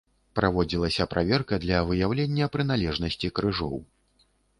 Праводзілася праверка для выяўлення прыналежнасці крыжоў.